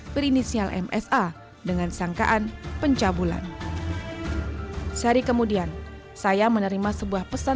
berinisial msa dengan sangkaan pencabulan sehari kemudian saya menerima sebuah pesan